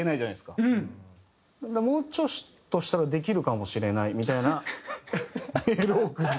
だから「もうちょっとしたらできるかもしれない」みたいなメールを送る。